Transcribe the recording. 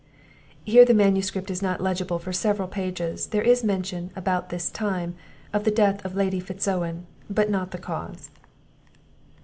[Here the manuscript is not legible for several pages. There is mention, about this time, of the death of the Lady Fitz Owen, but not the cause.